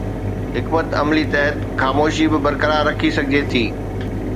حڪمت عملي تحت خاموشي به برقرار رکي سگهجي ٿي.